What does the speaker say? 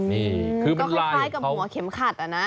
นี่คือก็คล้ายกับหัวเข็มขัดอะนะ